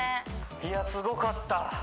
いやすごかった